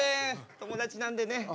友達なんでね。